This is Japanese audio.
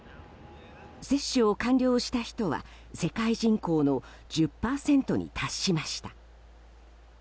接種を完了した人は世界人口の１０％に達しました。